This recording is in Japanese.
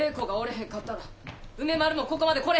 へんかったら梅丸もここまで来れ